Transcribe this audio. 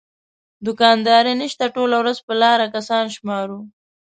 دوکانداري نشته ټوله ورځ په لاره کسان شمارو.